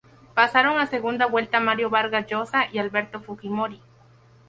Pasaron a segunda vuelta Mario Vargas Llosa y Alberto Fujimori.